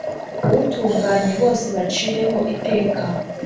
utunganye bose bacireho iteka